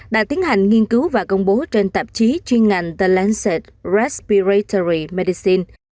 đã tiến hành nghiên cứu và công bố trên tạp chí chuyên ngành the lancet respiratory medicine